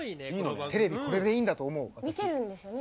テレビこれでいいんだと思う私。